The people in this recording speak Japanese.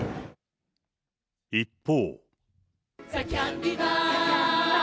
一方。